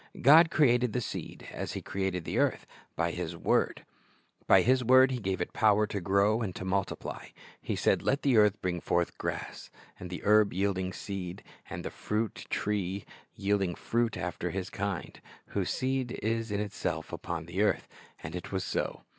God created the seed, as He created the earth, by His word. By His word He gave it power to grow and multiply. He said, "Let the earth bring forth grass, the herb yielding seed, and the fruit tree yielding fruit after his kind, whose seed is in itself, upon the earth; and it was so.